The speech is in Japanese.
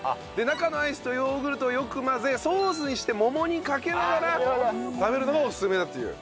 中のアイスとヨーグルトをよく混ぜソースにして桃にかけながら食べるのがオススメだという。